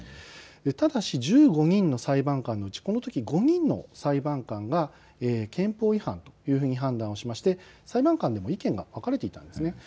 ただし１５人の裁判官のうちこのとき５人の裁判官が憲法違反というふうに判断をしまして、裁判官でも意見が分かれていたんですね。